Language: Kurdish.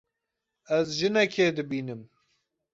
Ez jinekê dibînim.